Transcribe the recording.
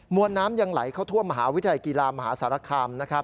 มวลน้ำยังไหลเข้าท่วมมหาวิทยาลัยกีฬามหาสารคาม